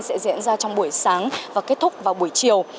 sẽ diễn ra trong buổi sáng và kết thúc vào buổi chiều